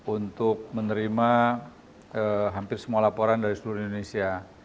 untuk menerima hampir semua laporan dari seluruh indonesia